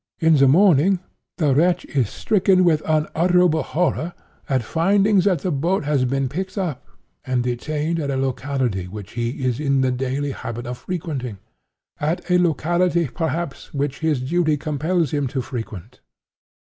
—In the morning, the wretch is stricken with unutterable horror at finding that the boat has been picked up and detained at a locality which he is in the daily habit of frequenting —at a locality, perhaps, which his duty compels him to frequent.